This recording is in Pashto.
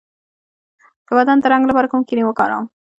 د بدن د رنګ لپاره کوم کریم وکاروم؟